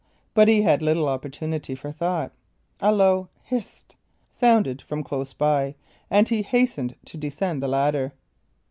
But he had little opportunity for thought. A low "Hist!" sounded from close by, and he hastened to descend the ladder.